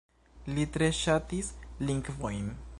Li tre ŝatis lingvojn.